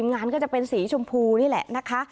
งานก็จะเป็นสีชมพูนี่แหละนะคะ